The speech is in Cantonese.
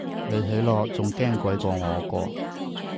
你睇落仲驚鬼過我喎